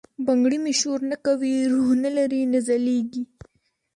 بنګړي مي شورنه کوي، روح نه لری، نه ځلیږي